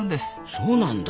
そうなんだ。